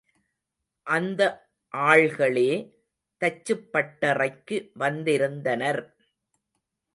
அந்த ஆள்களே தச்சுப்பட்டறைக்கு வந்திருந்தனர்.